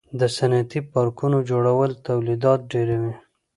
د صنعتي پارکونو جوړول تولیدات ډیروي.